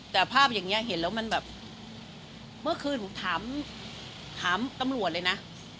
แต่ภาพอย่างนี้เห็นแล้วมันแบบเมื่อคืนหนูถามตำรวจเลยนะ